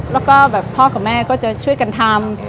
แล้วก็แบบพ่อกับแม่ก็จะช่วยกันทำ